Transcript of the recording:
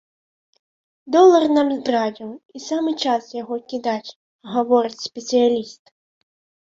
Долар нам здрадзіў, і самы час яго кідаць, гаворыць спецыяліст.